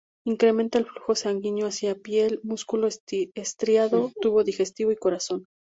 Incrementa el flujo sanguíneo hacia piel, músculo estriado, tubo digestivo y corazón.